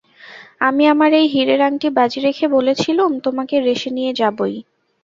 আমি আমার এই হীরের আংটি বাজি রেখে বলেছিলুম, তোমাকে রেসে নিয়ে যাবই।